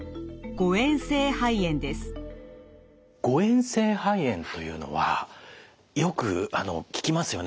誤えん性肺炎というのはよく聞きますよね